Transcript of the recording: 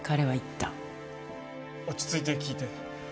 落ち着いて聞いて。